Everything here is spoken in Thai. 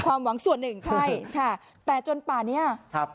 ความหวังส่วนหนึ่งใช่ค่ะแต่จนป่าเนี้ยครับ